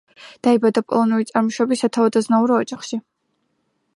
დაიბადა პოლონური წარმომავლობის სათავადაზნაურო ოჯახში.